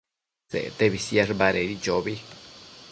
Sectebi siash badedi chobi